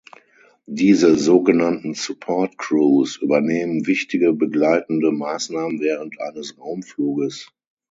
Diese sogenannten Support Crews übernehmen wichtige begleitende Maßnahmen während eines Raumfluges.